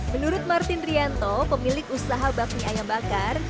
menurut martin rianto pemilik usaha bakmi ayam bakar